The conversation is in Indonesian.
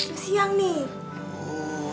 udah siang nih